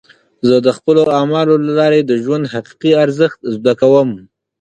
زه د خپلو اعمالو له لارې د ژوند حقیقي ارزښت زده کوم.